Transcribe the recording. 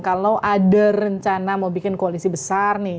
kalau ada rencana mau bikin koalisi besar nih